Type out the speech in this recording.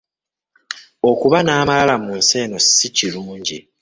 Okuba n’amalala mu nsi eno si kirungi.